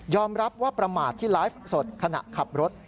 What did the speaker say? รับว่าประมาทที่ไลฟ์สดขณะขับรถ